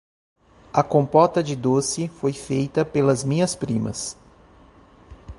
A compota de doce foi feita pelas minhas primas